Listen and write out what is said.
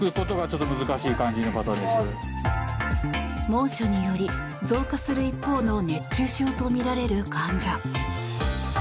猛暑により増加する一方の熱中症とみられる患者。